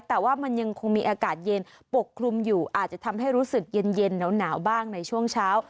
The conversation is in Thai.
แต่ว่ามันยังคงมีอากาศเย็นปกคลุมอยู่อาจจะทำให้รู้สึกเย็นหนาวบ้างในช่วงเช้า